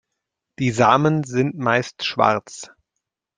Die Samen sind meist schwarz.